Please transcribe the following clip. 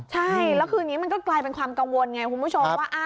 ใช่แล้วคืนนี้มันก็กลายเป็นความกังวลไงคุณผู้ชมว่า